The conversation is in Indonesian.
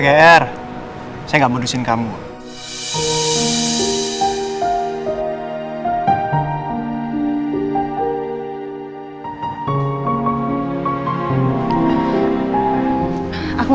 gue juga jadiendre theories hidup orang orang